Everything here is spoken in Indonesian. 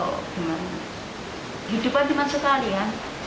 hidupan cuma sekali ya saya ingin berbagi untuk orang lain saja